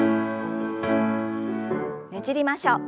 ねじりましょう。